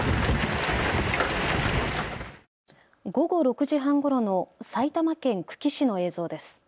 午後６時半ごろの埼玉県久喜市の映像です。